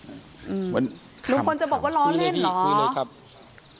ลุงคนจะบอกว่าล้อเล่นเหรอ